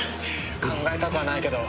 考えたくはないけど。